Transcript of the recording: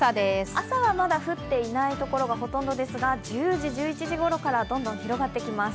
朝はまだ降っていないところがほとんどですが、１０時、１１時ごろからどんどん広がってきます。